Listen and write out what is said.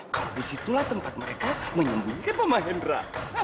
kalau disitulah tempat mereka menyembuhkan pak mahendra